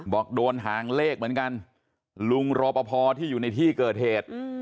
บอกโดนหางเลขเหมือนกันลุงรอปภที่อยู่ในที่เกิดเหตุ